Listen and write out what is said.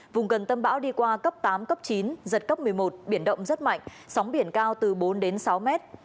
vùng gần tâm bão đi qua cấp tám cấp chín giật cấp một mươi một biển động rất mạnh sóng biển cao từ bốn đến sáu mét